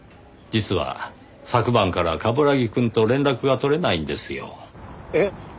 実は昨晩から冠城くんと連絡が取れないんですよ。えっ？